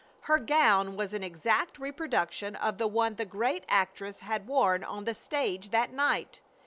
Her gown was an exact reproduction of the one the great actress had worn on the stage that night.